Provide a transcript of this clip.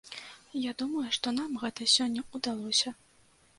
Я думаю, што нам гэта сёння ўдалося.